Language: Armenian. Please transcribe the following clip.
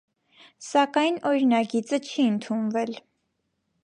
Սակայն օրինագիծը չի ընդունվել։